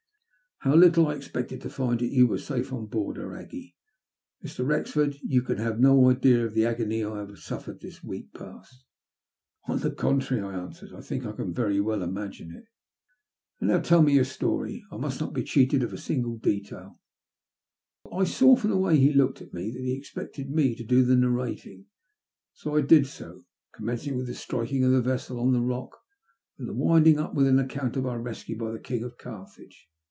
How little I expected to find that you were safe on board her, Aggie ! Mr. Wrexf ord, you can have no idea of the agony I have suffered this week past." "On the contrary," I answered, ''I think I oaa very well imagine it." SOUTH AFRICA. 22& "And now tell me yoar story. I mast not be cheated of a single detail." I saw from the way he looked at me that he ex pected me to do the narrating, so I did so, commencing with the striking of the vessel on the rock, and winding np with an account of our rescue by the King of Carthage.